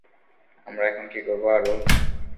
আমরা এখন কি করব, আরুল?